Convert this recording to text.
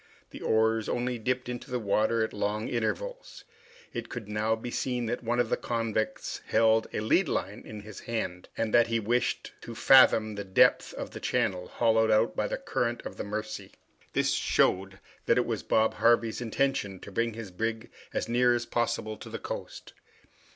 The oars only dipped into the water at long intervals. It could now be seen that one of the convicts held a lead line in his hand, and that he wished to fathom the depth of the channel hollowed out by the current of the Mercy. This showed that it was Bob Harvey's intention to bring his brig as near as possible to the coast.